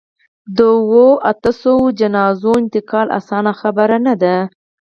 د اوو، اتو سووو جنازو انتقال اسانه خبره نه ده.